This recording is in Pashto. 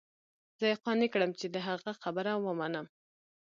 زه يې قانع كړم چې د هغه خبره ومنم.